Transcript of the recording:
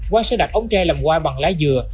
quán sẽ đặt ống tre làm quai bằng lá dừa